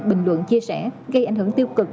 bình luận chia sẻ gây ảnh hưởng tiêu cực